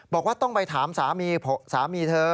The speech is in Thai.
บอกว่าต้องไปถามสามีสามีเธอ